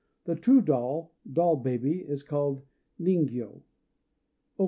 The true doll doll baby is called ningyô.